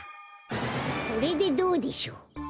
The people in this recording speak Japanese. これでどうでしょう？